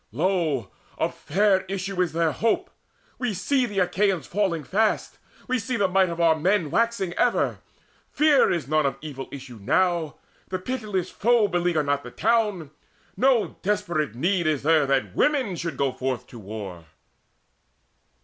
Lo, of fair issue is there hope: we see The Achaeans falling fast: we see the might Of our men waxing ever: fear is none Of evil issue now: the pitiless foe Beleaguer not the town: no desperate need There is that women should go forth to war."